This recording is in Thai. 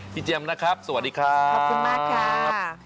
พี่เจมส์นะครับสวัสดีครับขอบคุณมากครับขอบคุณมากครับ